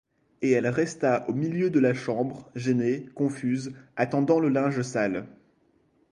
Et elle resta au milieu de la chambre, gênée, confuse, attendant le linge sale.